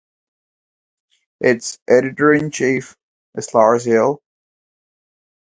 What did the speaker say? Its editor-in-chief is Lars Helle.